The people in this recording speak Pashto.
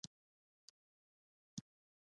لمر له شین اسمان غېږې جلا کېده.